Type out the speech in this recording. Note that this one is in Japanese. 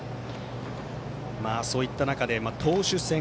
そういった中で、投手戦。